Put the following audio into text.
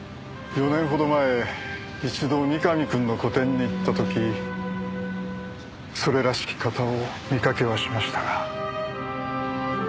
４年ほど前一度三上くんの個展に行った時それらしき方を見かけはしましたが。